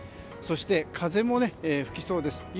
そして、風も吹きそうです。